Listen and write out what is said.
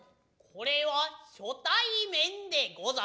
これは初対面でござる。